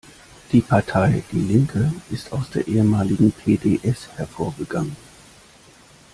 Die Partei die Linke ist aus der ehemaligen P-D-S hervorgegangen.